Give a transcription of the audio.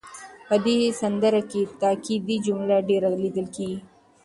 په دې سندره کې تاکېدي جملې ډېرې لیدل کېږي.